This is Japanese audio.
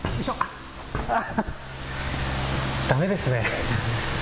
だめですね。